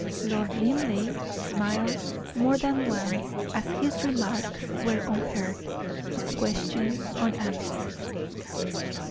Lord Linleigh smiled more than once as his remarks were unheard, his questions unanswered.